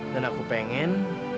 dan aku pengen